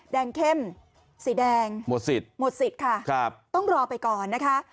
แดงเข้มสีแดงหมดสิทธิ์ค่ะต้องรอไปก่อนนะคะ